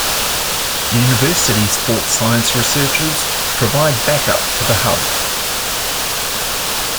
University sports science researchers provide back-up to the hub.